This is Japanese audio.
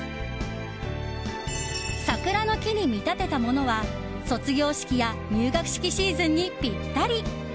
桜の木に見立てたものは卒業式や入学式シーズンにぴったり。